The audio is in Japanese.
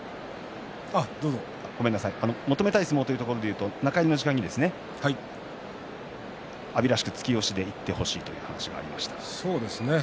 求めたい相撲ということでいうと中入りの時間に阿炎らしく突き押しでいってほしいという話がありました。